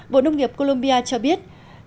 bộ nông nghiệp colombia cho biết